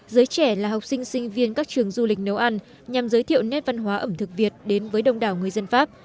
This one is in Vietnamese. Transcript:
giới trẻ là học sinh sinh viên các trường du lịch nấu ăn nhằm giới thiệu nét văn hóa ẩm thực việt đến với đông đảo người dân pháp